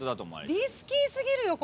リスキー過ぎるよ